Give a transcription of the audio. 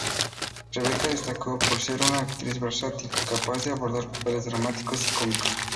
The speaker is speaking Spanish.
Rebeca destacó por ser una actriz versátil, capaz de abordar papeles dramáticos y cómicos.